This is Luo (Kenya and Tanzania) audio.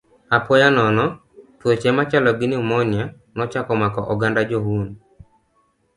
Apoya nono, tuoche machalo gi pneumonia nochako mako oganda Jo-Hun.